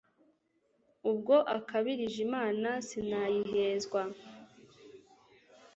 Ubwo akabirije imana sinayihezwa.